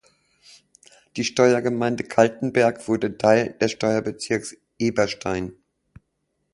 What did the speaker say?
Die Steuergemeinde Kaltenberg wurde Teil des Steuerbezirks Eberstein.